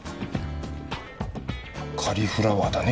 カリフラワーだね。